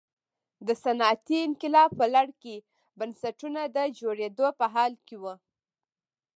د صنعتي انقلاب په لړ کې بنسټونه د جوړېدو په حال کې وو.